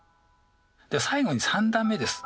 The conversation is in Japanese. では最後に３段目です。